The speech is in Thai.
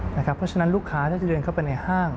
เพราะฉะนั้นลูกค้าถ้าจะเดินเข้าไปในห้าง